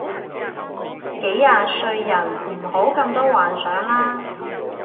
幾廿歲人唔好咁多幻想啦